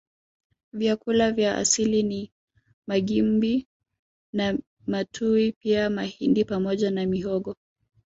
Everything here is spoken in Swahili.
Vyakula vya asili ni magimbi na matuwi pia mahindi pamoja na mihogo